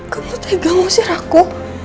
kau mau tegang usir aku